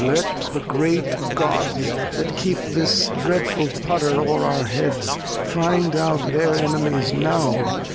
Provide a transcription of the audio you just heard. Lear. Let the great Gods, That keep the dreadful Pudder o're our Heads, Find out their Enemies now.